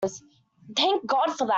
Thank God for that!